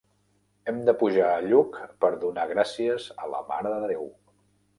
Hem de pujar a Lluc per donar gràcies a la Mare de Déu.